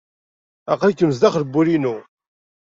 Aql-ikem sdaxel n wul-inu.